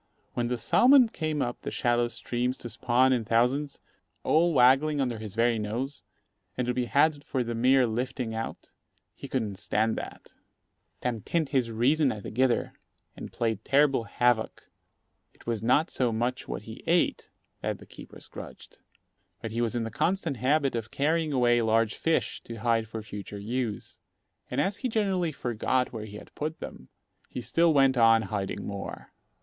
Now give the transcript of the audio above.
When the salmon came up the shallow streams to spawn in thousands, all waggling under his very nose, and to be had for the mere lifting out, he couldn't stand that. "Tam tint his reason a'thegither," and played terrible havoc among the poor fishes. It was not so much what he ate that the keepers grudged; but he was in the constant habit of carrying away large fish to hide for future use; and as he generally forgot where he had put them, he still went on hiding more.